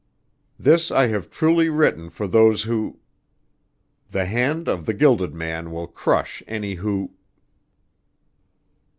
This I have truly written for those who . The hand of the Gilded Man will crush any who